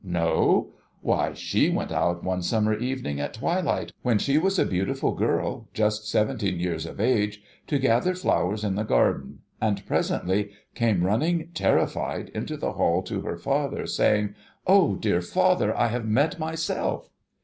No ! Why, She went out one summer evening at twilight, when she was a beautiful girl, just seventeen years of age, to gather flowers in the garden ; and presently came running, terrified, into the hall to her father, saying, ' Oh, dear father, I have met myself